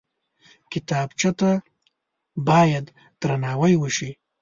کتابچه ته باید درناوی وشي